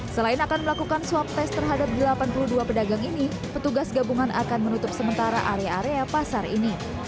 selain akan melakukan swab test terhadap delapan puluh dua pedagang ini petugas gabungan akan menutup sementara area area pasar ini